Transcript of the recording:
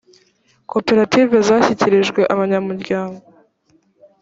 koperative zashyikirijwe abanyamuryango